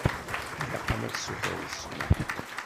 Ilaq-am ad tsutreḍ ssmaḥ.